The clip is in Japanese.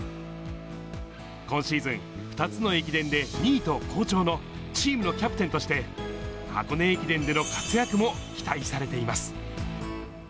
今シーズン、２つの駅伝で２位と好調のチームのキャプテンとして、箱根駅伝での活躍も期待されています。